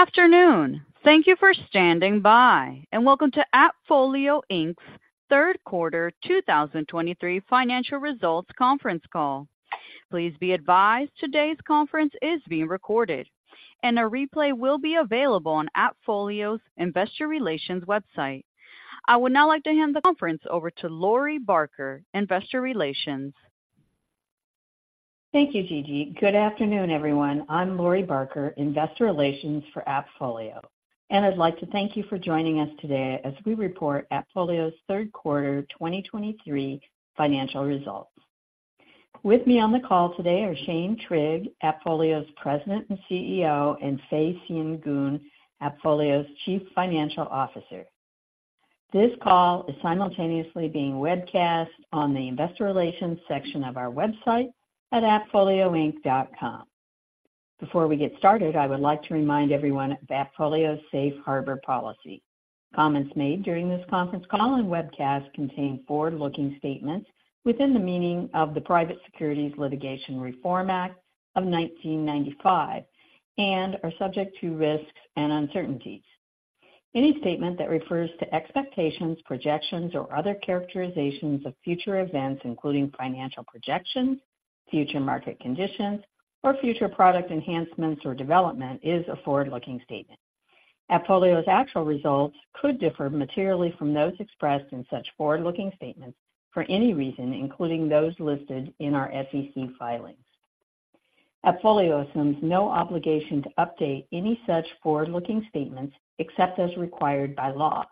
Good afternoon. Thank you for standing by, and welcome to AppFolio Inc.'s third quarter 2023 financial results conference call. Please be advised today's conference is being recorded, and a replay will be available on AppFolio's investor relations website. I would now like to hand the conference over to Lori Barker, Investor Relations. Thank you, Gigi. Good afternoon, everyone. I'm Lori Barker, Investor Relations for AppFolio, and I'd like to thank you for joining us today as we report AppFolio's third quarter 2023 financial results. With me on the call today are Shane Trigg, AppFolio's President and CEO, and Fay Sien Goon, AppFolio's Chief Financial Officer. This call is simultaneously being webcast on the investor relations section of our website at appfolioinc.com. Before we get started, I would like to remind everyone of AppFolio's Safe Harbor policy. Comments made during this conference call and webcast contain forward-looking statements within the meaning of the Private Securities Litigation Reform Act of 1995 and are subject to risks and uncertainties. Any statement that refers to expectations, projections, or other characterizations of future events, including financial projections, future market conditions, or future product enhancements or development, is a forward-looking statement. AppFolio's actual results could differ materially from those expressed in such forward-looking statements for any reason, including those listed in our SEC filings. AppFolio assumes no obligation to update any such forward-looking statements except as required by law.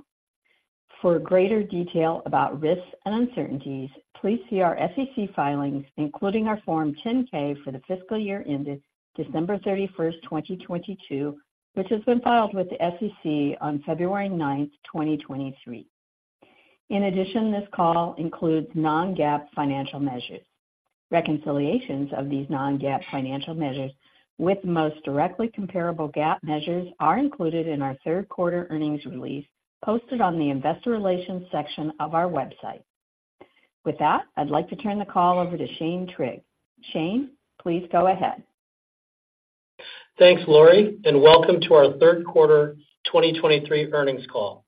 For greater detail about risks and uncertainties, please see our SEC filings, including our Form 10-K for the fiscal year ended December 31st, 2022, which has been filed with the SEC on February 9th, 2023. In addition, this call includes non-GAAP financial measures. Reconciliations of these non-GAAP financial measures with the most directly comparable GAAP measures are included in our third quarter earnings release, posted on the investor relations section of our website. With that, I'd like to turn the call over to Shane Trigg. Shane, please go ahead. Thanks, Lori, and welcome to our third quarter 2023 earnings call.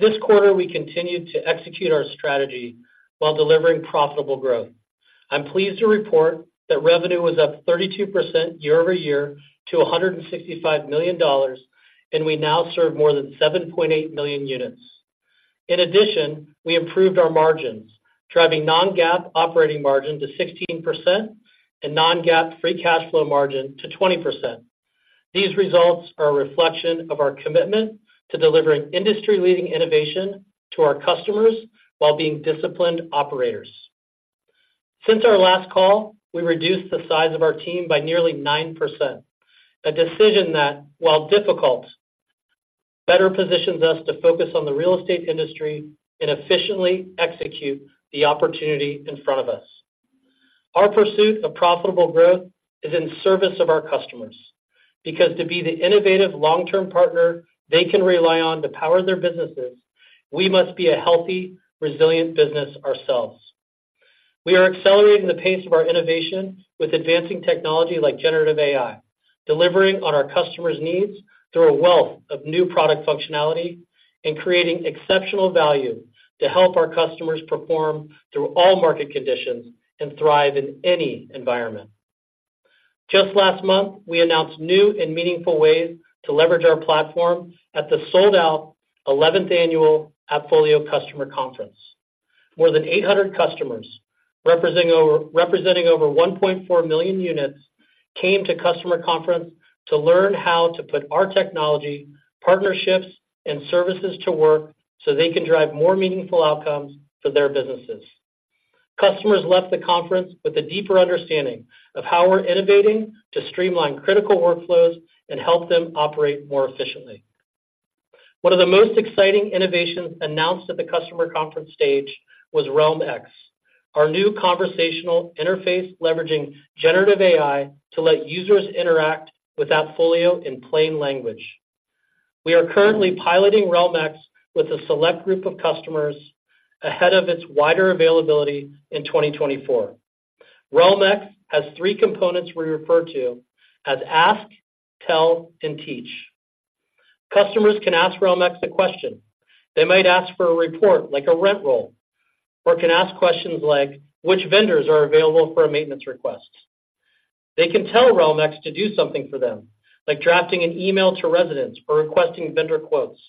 This quarter, we continued to execute our strategy while delivering profitable growth. I'm pleased to report that revenue was up 32% year-over-year to $165 million, and we now serve more than 7.8 million units. In addition, we improved our margins, driving Non-GAAP operating margin to 16% and Non-GAAP free cash flow margin to 20%. These results are a reflection of our commitment to delivering industry-leading innovation to our customers while being disciplined operators. Since our last call, we reduced the size of our team by nearly 9%. A decision that, while difficult, better positions us to focus on the real estate industry and efficiently execute the opportunity in front of us. Our pursuit of profitable growth is in service of our customers, because to be the innovative long-term partner they can rely on to power their businesses, we must be a healthy, resilient business ourselves. We are accelerating the pace of our innovation with advancing technology like generative AI, delivering on our customers' needs through a wealth of new product functionality, and creating exceptional value to help our customers perform through all market conditions and thrive in any environment. Just last month, we announced new and meaningful ways to leverage our platform at the sold-out eleventh annual AppFolio Customer Conference. More than 800 customers, representing over 1.4 million units, came to Customer Conference to learn how to put our technology, partnerships, and services to work so they can drive more meaningful outcomes for their businesses. Customers left the conference with a deeper understanding of how we're innovating to streamline critical workflows and help them operate more efficiently. One of the most exciting innovations announced at the customer conference stage was Realm-X, our new conversational interface, leveraging generative AI to let users interact with AppFolio in plain language. We are currently piloting Realm-X with a select group of customers ahead of its wider availability in 2024. Realm-X has three components we refer to as ask, tell, and teach. Customers can ask Realm-X a question. They might ask for a report like a rent roll, or can ask questions like, "Which vendors are available for a maintenance request?" They can tell Realm-X to do something for them, like drafting an email to residents or requesting vendor quotes.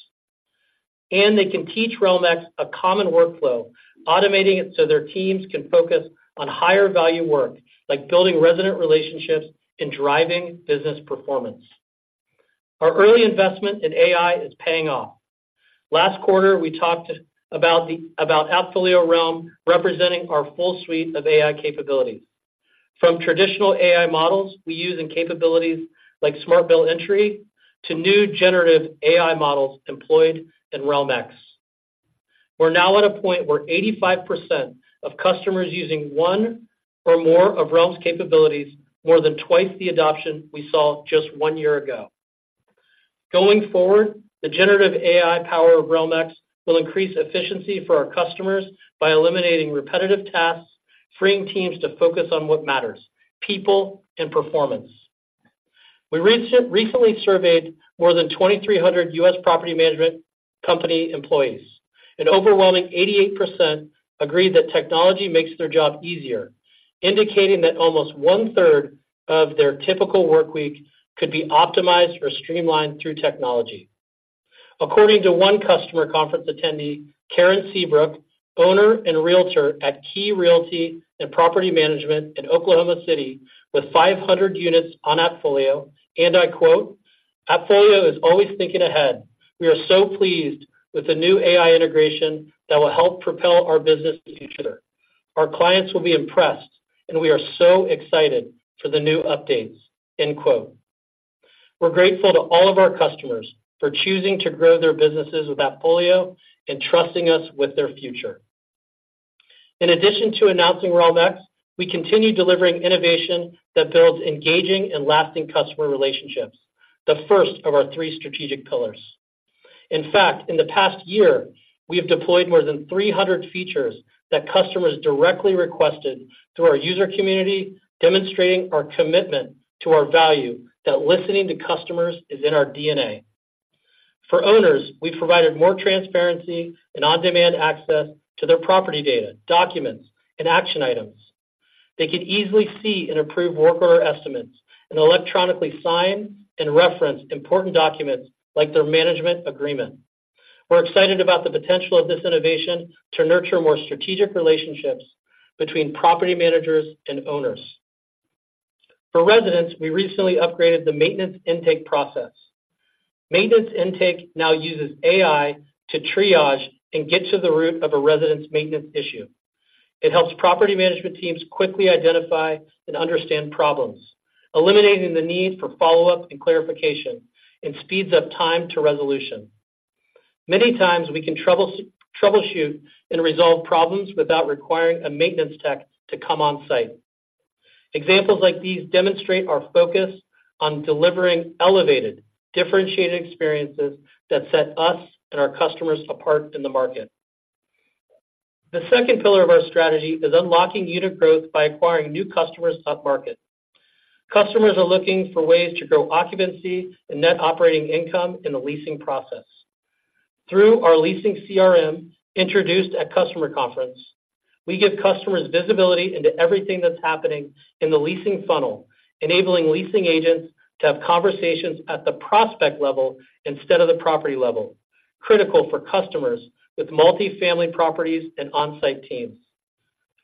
They can teach Realm-X a common workflow, automating it so their teams can focus on higher-value work, like building resident relationships and driving business performance. Our early investment in AI is paying off. Last quarter, we talked about AppFolio Realm representing our full suite of AI capabilities. From traditional AI models we use in capabilities like Smart Bill Entry to new generative AI models employed in Realm-X. We're now at a point where 85% of customers are using one or more of Realm's capabilities, more than twice the adoption we saw just one year ago. Going forward, the generative AI power of Realm-X will increase efficiency for our customers by eliminating repetitive tasks, freeing teams to focus on what matters: people and performance. We recently surveyed more than 2,300 U.S. property management company employees. An overwhelming 88% agreed that technology makes their job easier, indicating that almost one-third of their typical workweek could be optimized or streamlined through technology. According to one Customer Conference attendee, Karyn Seabrooke, owner and realtor at Key Realty and Property Management in Oklahoma City, with 500 units on AppFolio, and I quote: "AppFolio is always thinking ahead. We are so pleased with the new AI integration that will help propel our business in the future. Our clients will be impressed, and we are so excited for the new updates." End quote. We're grateful to all of our customers for choosing to grow their businesses with AppFolio and trusting us with their future. In addition to announcing Realm-X we continue delivering innovation that builds engaging and lasting customer relationships, the first of our three strategic pillars. In fact, in the past year, we have deployed more than 300 features that customers directly requested through our user community, demonstrating our commitment to our value that listening to customers is in our DNA. For owners, we provided more transparency and on-demand access to their property data, documents, and action items. They could easily see and approve work order estimates and electronically sign and reference important documents like their management agreement. We're excited about the potential of this innovation to nurture more strategic relationships between property managers and owners. For residents, we recently upgraded the maintenance intake process. Maintenance intake now uses AI to triage and get to the root of a resident's maintenance issue. It helps property management teams quickly identify and understand problems, eliminating the need for follow-up and clarification, and speeds up time to resolution. Many times we can troubleshoot and resolve problems without requiring a maintenance tech to come on-site. Examples like these demonstrate our focus on delivering elevated, differentiated experiences that set us and our customers apart in the market. The second pillar of our strategy is unlocking unit growth by acquiring new customers upmarket. Customers are looking for ways to grow occupancy and net operating income in the leasing process. Through our Leasing CRM, introduced at Customer Conference, we give customers visibility into everything that's happening in the leasing funnel, enabling leasing agents to have conversations at the prospect level instead of the property level, critical for customers with multifamily properties and on-site teams.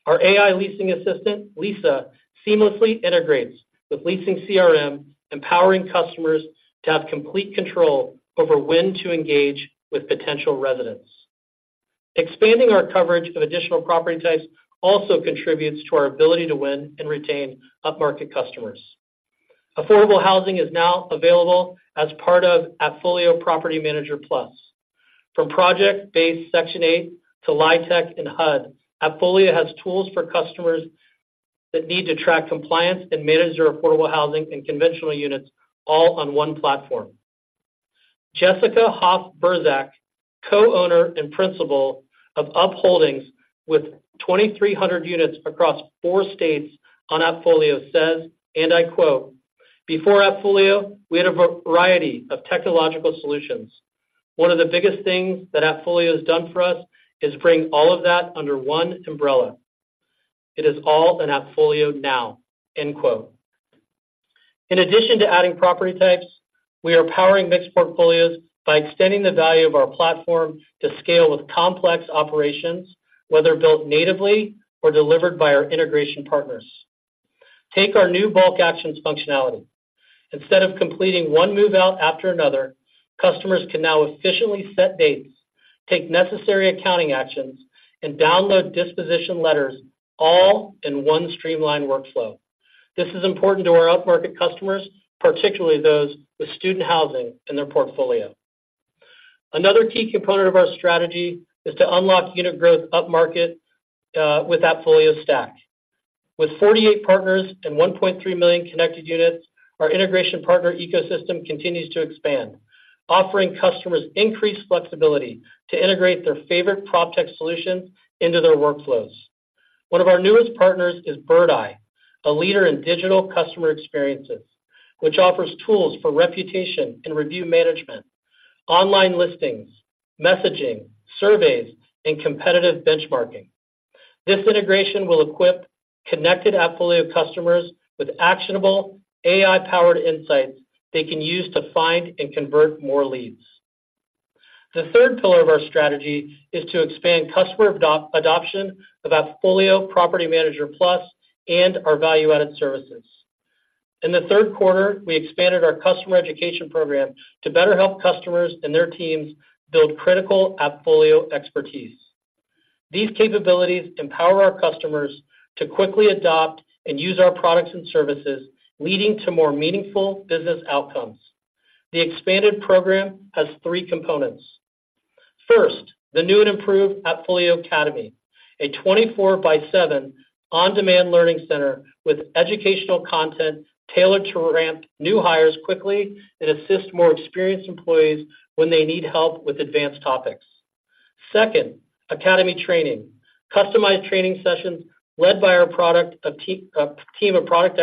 Our AI leasing assistant, Lisa, seamlessly integrates with Leasing CRM, empowering customers to have complete control over when to engage with potential residents. Expanding our coverage of additional property types also contributes to our ability to win and retain upmarket customers. Affordable housing is now available as part of AppFolio Property Manager Plus. From project-based Section 8 to LIHTC and HUD, AppFolio has tools for customers that need to track compliance and manage their affordable housing and conventional units, all on one platform. Jessica Hoff Berzac, co-owner and principal of UPholdings, with 2,300 units across four states on AppFolio, says, and I quote: "Before AppFolio, we had a variety of technological solutions. One of the biggest things that AppFolio has done for us is bring all of that under one umbrella. It is all in AppFolio now." End quote. In addition to adding property types, we are powering mixed portfolios by extending the value of our platform to scale with complex operations, whether built natively or delivered by our integration partners. Take our new bulk actions functionality. Instead of completing one move-out after another, customers can now efficiently set dates, take necessary accounting actions, and download disposition letters all in one streamlined workflow. This is important to our upmarket customers, particularly those with student housing in their portfolio. Another key component of our strategy is to unlock unit growth upmarket with AppFolio Stack. With 48 partners and 1.3 million connected units, our integration partner ecosystem continues to expand, offering customers increased flexibility to integrate their favorite proptech solutions into their workflows. One of our newest partners is Birdeye, a leader in digital customer experiences, which offers tools for reputation and review management, online listings, messaging, surveys, and competitive benchmarking. This integration will equip connected AppFolio customers with actionable AI-powered insights they can use to find and convert more leads. The third pillar of our strategy is to expand customer adoption of AppFolio Property Manager Plus and our value-added services. In the third quarter, we expanded our customer education program to better help customers and their teams build critical AppFolio expertise. These capabilities empower our customers to quickly adopt and use our products and services, leading to more meaningful business outcomes. The expanded program has three components. First, the new and improved AppFolio Academy, a 24/7 on-demand learning center with educational content tailored to ramp new hires quickly and assist more experienced employees when they need help with advanced topics. Second, Academy training. Customized training sessions led by our product, a team of product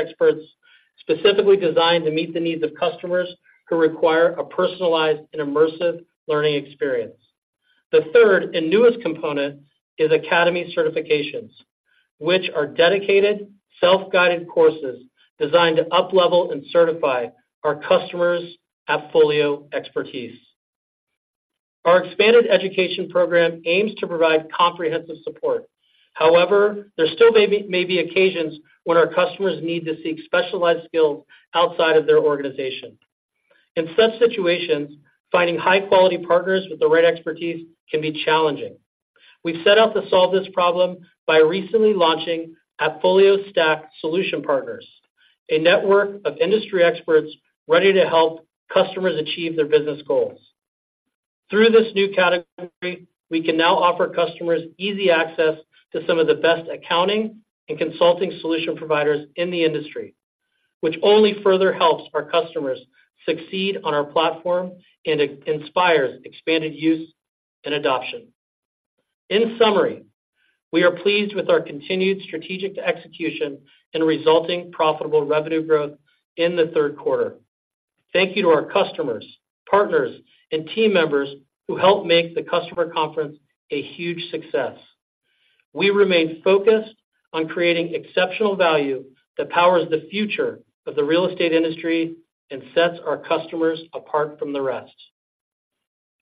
experts, specifically designed to meet the needs of customers who require a personalized and immersive learning experience. The third and newest component is Academy certifications, which are dedicated, self-guided courses designed to uplevel and certify our customers' AppFolio expertise. Our expanded education program aims to provide comprehensive support. However, there still may be occasions when our customers need to seek specialized skills outside of their organization. In such situations, finding high-quality partners with the right expertise can be challenging. We've set out to solve this problem by recently launching AppFolio Stack Solution Partners, a network of industry experts ready to help customers achieve their business goals. Through this new category, we can now offer customers easy access to some of the best accounting and consulting solution providers in the industry, which only further helps our customers succeed on our platform and inspires expanded use and adoption. In summary, we are pleased with our continued strategic execution and resulting profitable revenue growth in the third quarter. Thank you to our customers, partners, and team members who helped make the customer conference a huge success. We remain focused on creating exceptional value that powers the future of the real estate industry and sets our customers apart from the rest.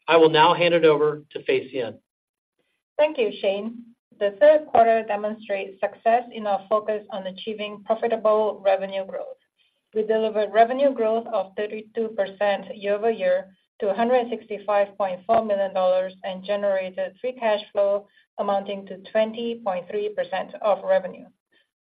I will now hand it over to Fay Sien. Thank you, Shane. The third quarter demonstrates success in our focus on achieving profitable revenue growth. We delivered revenue growth of 32% year-over-year to $165.4 million, and generated free cash flow amounting to 20.3% of revenue.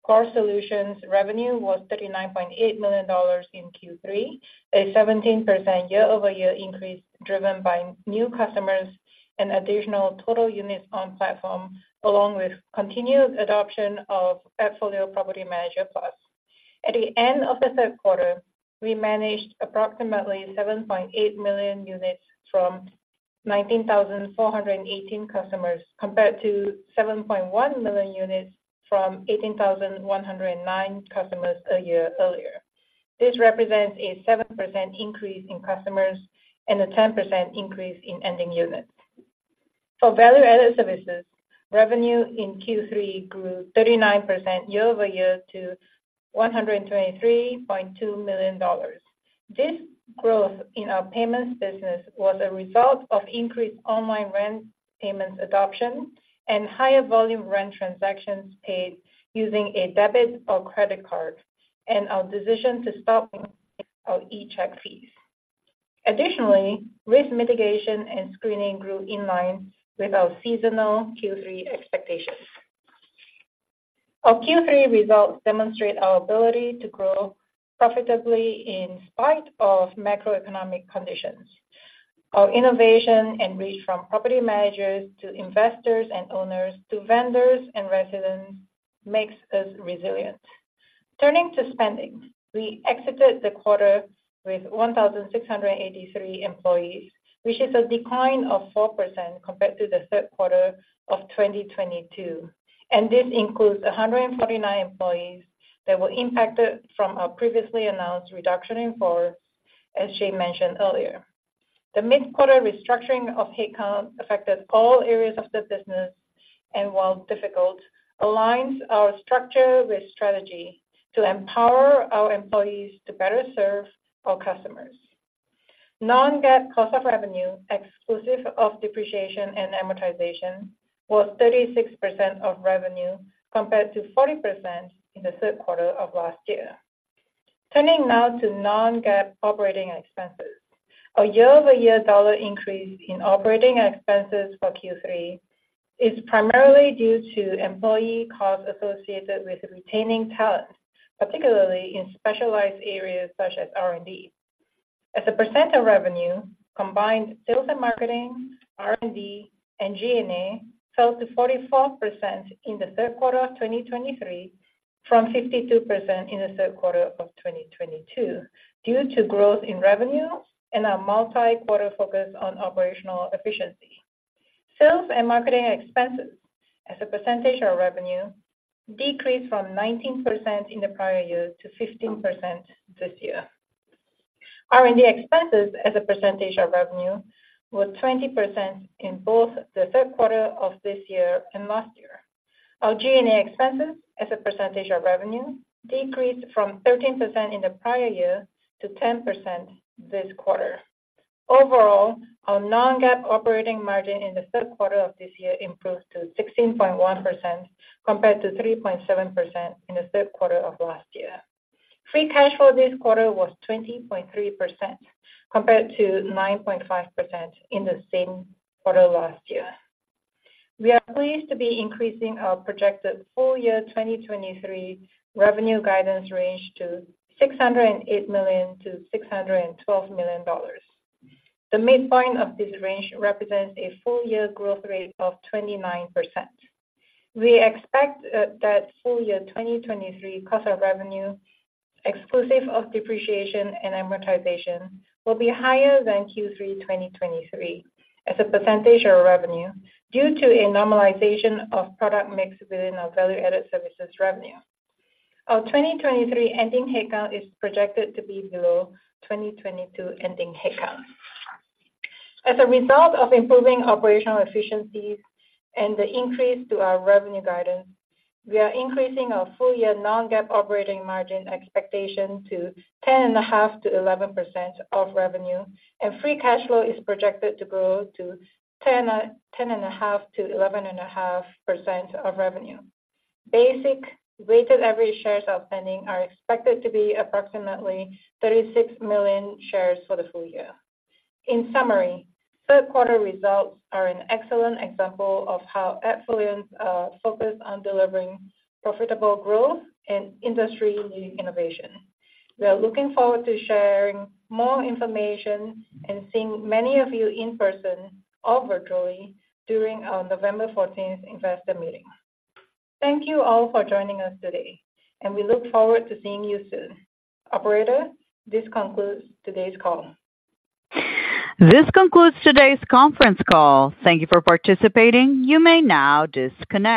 Core Solutions revenue was $39.8 million in Q3, a 17% year-over-year increase, driven by new customers and additional total units on platform, along with continued adoption of AppFolio Property Manager Plus. At the end of the third quarter, we managed approximately 7.8 million units from 19,418 customers, compared to 7.1 million units from 18,109 customers a year earlier. This represents a 7% increase in customers and a 10% increase in ending units. For value-added services, revenue in Q3 grew 39% year-over-year to $123.2 million. This growth in our payments business was a result of increased online rent payments adoption and higher volume rent transactions paid using a debit or credit card, and our decision to stop our e-check fees. Additionally, risk mitigation and screening grew in line with our seasonal Q3 expectations. Our Q3 results demonstrate our ability to grow profitably in spite of macroeconomic conditions. Our innovation and reach from property managers, to investors and owners, to vendors and residents makes us resilient. Turning to spending, we exited the quarter with 1,683 employees, which is a decline of 4% compared to the third quarter of 2022, and this includes 149 employees that were impacted from our previously announced reduction in force, as Shane mentioned earlier. The mid-quarter restructuring of headcount affected all areas of the business, and while difficult, aligns our structure with strategy to empower our employees to better serve our customers. Non-GAAP cost of revenue, exclusive of depreciation and amortization, was 36% of revenue, compared to 40% in the third quarter of last year. Turning now to non-GAAP operating expenses. Our year-over-year dollar increase in operating expenses for Q3 is primarily due to employee costs associated with retaining talent, particularly in specialized areas such as R&D. As a percent of revenue, combined sales and marketing, R&D, and G&A fell to 44% in the third quarter of 2023, from 52% in the third quarter of 2022, due to growth in revenue and our multi-quarter focus on operational efficiency. Sales and marketing expenses as a percentage of revenue decreased from 19% in the prior year to 15% this year. R&D expenses as a percentage of revenue were 20% in both the third quarter of this year and last year. Our G&A expenses as a percentage of revenue decreased from 13% in the prior year to 10% this quarter. Overall, our non-GAAP operating margin in the third quarter of this year improved to 16.1%, compared to 3.7% in the third quarter of last year. Free cash flow this quarter was 20.3%, compared to 9.5% in the same quarter last year. We are pleased to be increasing our projected full year 2023 revenue guidance range to $608 million-$612 million. The midpoint of this range represents a full year growth rate of 29%. We expect that full year 2023 cost of revenue, exclusive of depreciation and amortization, will be higher than Q3 2023 as a percentage of revenue, due to a normalization of product mix within our value-added services revenue. Our 2023 ending headcount is projected to be below 2022 ending headcount. As a result of improving operational efficiencies and the increase to our revenue guidance, we are increasing our full-year non-GAAP operating margin expectation to 10.5%-11% of revenue, and free cash flow is projected to grow to 10%, 10.5%-11.5% of revenue. Basic weighted average shares outstanding are expected to be approximately 36 million shares for the full year. In summary, third quarter results are an excellent example of how AppFolio is focused on delivering profitable growth and industry-leading innovation. We are looking forward to sharing more information and seeing many of you in person or virtually during our November 14th investor meeting. Thank you all for joining us today, and we look forward to seeing you soon. Operator, this concludes today's call. This concludes today's conference call. Thank you for participating. You may now disconnect.